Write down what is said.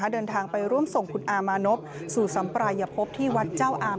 เดินทางไปร่วมส่งคุณอามานพสู่สัมปรายภพที่วัดเจ้าอาม